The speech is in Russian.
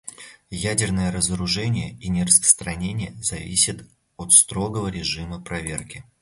Ядерное разоружение и нераспространение зависят от строгого режима проверки.